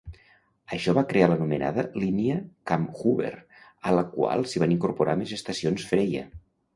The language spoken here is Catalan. Això va crear l'anomenada Línia Kammhuber a la qual s'hi van incorporar més estacions "Freya".